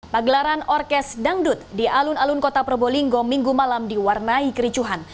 pagelaran orkes dangdut di alun alun kota probolinggo minggu malam diwarnai kericuhan